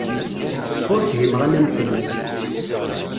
Ur fhimeɣ anamek-nnes.